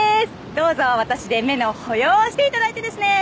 どうぞ私で目の保養をしていただいてですね